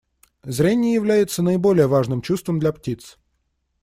Зрение является наиболее важным чувством для птиц.